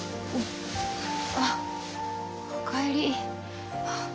あっお帰り。